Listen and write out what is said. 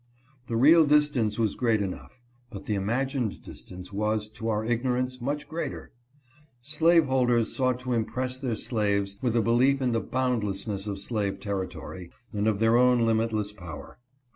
The real distance was great enough, but the imagined distance was, to our ignorance, much greater. Slaveholders sought to impress their slaves with a belief in the bound lessness of slave territory, and of their own limitless power.